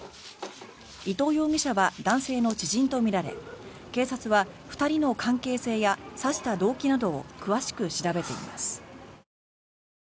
伊藤容疑者は男性の知人とみられ警察は、２人の関係性や刺した動機などを詳しく調べています。